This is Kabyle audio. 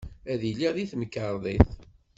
Ad iliɣ deg temkarḍit.